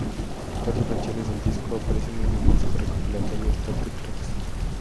Cuatro canciones del disco aparecen en el disco recopilatorio "Stop The Clocks".